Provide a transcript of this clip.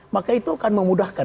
maka itu akan memudahkan